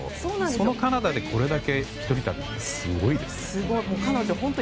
そのカナダでこれだけ一人旅すごいですね。